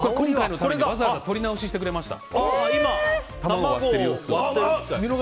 こちらは今回のためにわざわざ撮り直ししてくれました。